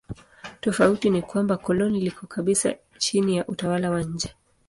Tofauti ni kwamba koloni liko kabisa chini ya utawala wa nje.